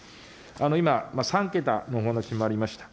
今、３桁のお話もありました。